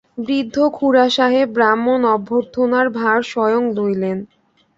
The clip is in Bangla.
বৃদ্ধ খুড়াসাহেব ব্রাহ্মণ-অভ্যর্থনার ভার স্বয়ং লইলেন।